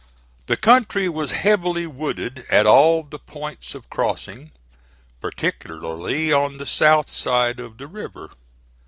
The country was heavily wooded at all the points of crossing, particularly on the south side of the river.